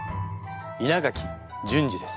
稲垣淳二です。